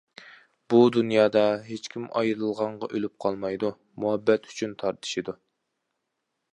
بۇ دۇنيادا ھېچكىم ئايرىلغانغا ئۆلۈپ قالمايدۇ، مۇھەببەت ئۈچۈن تارتىشىدۇ.